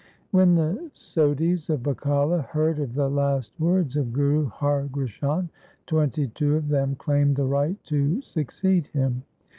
332 THE SIKH RELIGION When the Sodhis of Bakala heard of the last words of Guru Har Krishan, twenty two of them claimed the right to succeed him.